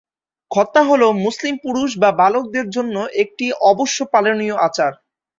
খৎনা হল মুসলিম পুরুষ বা বালকদের জন্য একটি অবশ্য পালনীয় আচার।